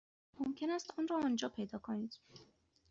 ممکن است آن را آنجا پیدا کنید.